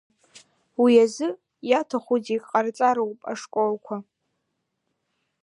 Уи азы иаҭаху зегь ҟарҵароуп ашколқәа…